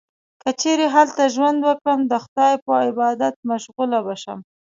که چیرې هلته ژوند وکړم، د خدای په عبادت مشغوله به شم.